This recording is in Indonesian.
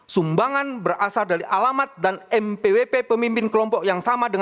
sumbangan berasal dari alamat dan mpwp pemimpin kelompok yang sama dengan